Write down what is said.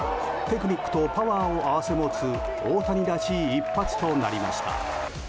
テクニックとパワーを併せ持つ大谷らしい一発となりました。